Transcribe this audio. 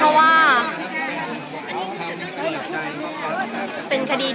มีแต่โดนล้าลาน